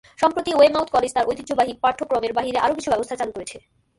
সম্প্রতি, Weymouth College তার ঐতিহ্যবাহী পাঠ্যক্রমের বাইরে আরও কিছু ব্যবস্থা চালু করেছে।